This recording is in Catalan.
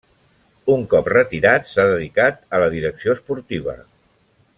Un cop retirat s'ha dedicat dedicar a la direcció esportiva.